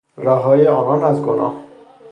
رهایی آنان از گناه